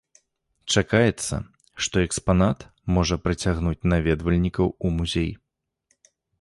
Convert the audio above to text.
Чакаецца, што экспанат можа прыцягнуць наведвальнікаў у музей.